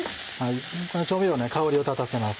この調味料香りを立たせます。